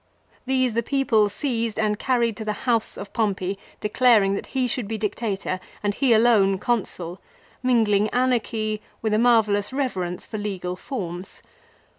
These the people seized and carried to the house of Pompey, declaring that he should be Dictator and he alone Consul, mingling anarchy with a marvellous reverence for legal forms.